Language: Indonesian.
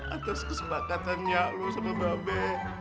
atas kesempatan nya nya lu sama mbak be